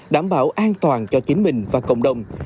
đảm bảo an toàn cho chính mình và cộng đồng